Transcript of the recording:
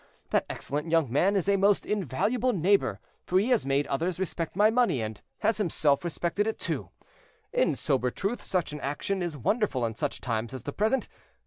that excellent young man is a most invaluable neighbor, for he has made others respect my money, and has himself respected it too; in sober truth, such an action is wonderful in such times as the present.